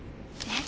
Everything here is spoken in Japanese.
え？